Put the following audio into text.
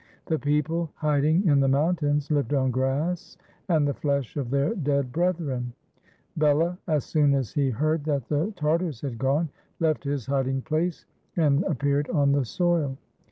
The people, hiding in the mountains, lived on grass and the flesh of their dead brethren. Bela, as soon as he heard that the Tar tars had gone, left his hiding place and appeared on the soil.